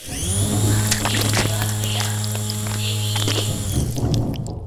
அங்குப் பேச, யாருடைய அனுமதியும் தேவையில்லை.